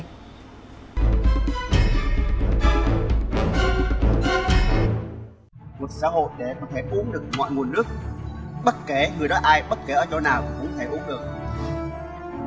luật xã hội để có thể uống được mọi nguồn nước bất kể người đó ai bất kể ở chỗ nào cũng có thể uống được